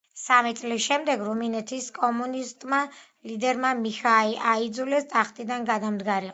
სამი წლის შემდეგ რუმინეთის კომუნისტმა ლიდერებმა მიჰაი აიძულეს ტახტიდან გადამდგარიყო.